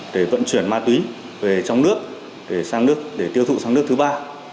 để vận chuyển ma túy về trong nước để tiêu thụ sang nước thứ ba